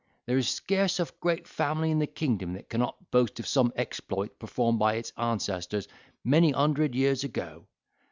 There is scarce a great family in the kingdom that cannot boast of some exploits performed by its ancestors many hundred years ago.